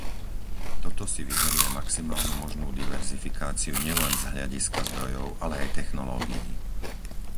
Toto si vyžaduje maximálnu možnú diverzifikáciu nielen z hľadiska zdrojov, ale aj technológií.